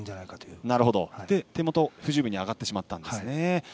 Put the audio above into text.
そして手元が不十分に上がってしまったんですね。